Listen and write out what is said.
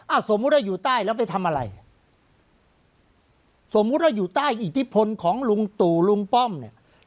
สมมุติว่าอยู่ใต้แล้วไปทำอะไรอ่ะสมมุติว่าอยู่ใต้อิทธิพลของลุงตู่ลุงป้อมเนี่ย